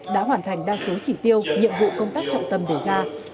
đã hoàn thành đa số chỉ tiêu nhiệm vụ công tác trọng tâm đề ra